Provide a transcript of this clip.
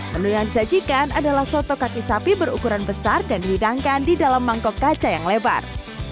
menu yang disajikan adalah soto kaki sapi berukuran besar dan dihidangkan di dalam mangkok kaca yang lebar